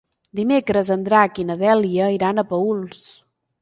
Dimecres en Drac i na Dèlia iran a Paüls.